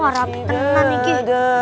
wah rapi tenan ini